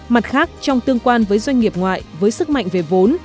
mặt khác trong tương quan với doanh nghiệp ngoại với sức mạnh về vốn